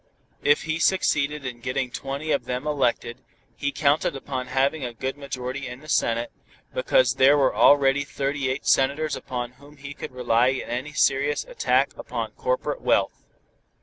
If he succeeded in getting twenty of them elected, he counted upon having a good majority of the Senate, because there were already thirty eight Senators upon whom he could rely in any serious attack upon corporate wealth.